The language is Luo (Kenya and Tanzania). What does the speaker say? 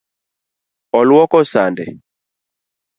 Oluoko sande.